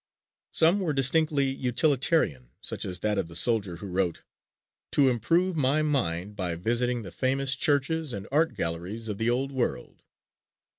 Some were distinctly utilitarian such as that of the soldier who wrote "To improve my mind by visiting the famous churches and art galleries of the old world."